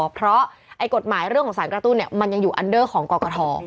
เพราะกฎหมายเรื่องของสารกระตุ้นมันยังอยู่อันเดอร์ของกรกฐ